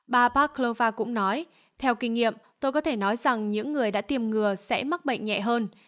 ba paklova cũng nói theo kinh nghiệm tôi có thể nói rằng những người đã tiêm ngừa sẽ mắc bệnh nhẹ hơn